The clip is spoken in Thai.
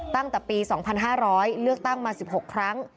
ตั้งแต่ปี๒๕๐๐เลือกตั้งมา๑๖ครั้ง